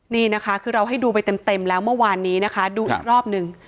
นี่นะคะคือเราให้ดูไปเต็มแล้วเมื่อวานนี้นะคะดูอีกรอบหนึ่ง